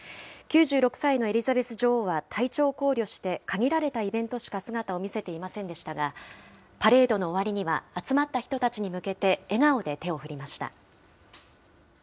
９６歳のエリザベス女王は体調を考慮して限られたイベントしか姿を見せていませんでしたが、パレードの終わりには集まった人たちに向けて、笑顔で手を振りました。